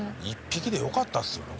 １匹でよかったですよね